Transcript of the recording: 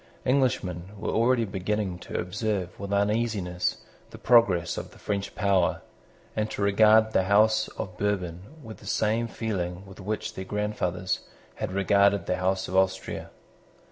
Englishmen were already beginning to observe with uneasiness the progress of the French power, and to regard the House of Bourbon with the same feeling with which their grandfathers had regarded the House of Austria.